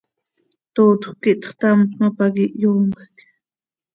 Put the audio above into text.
Tootjöc quih txtamt ma, pac ihyoomjc.